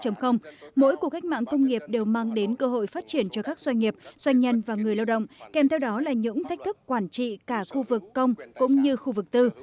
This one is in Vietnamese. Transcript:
mỗi cuộc cách mạng công nghiệp đều mang đến cơ hội phát triển cho các doanh nghiệp doanh nhân và người lao động kèm theo đó là những thách thức quản trị cả khu vực công cũng như khu vực tư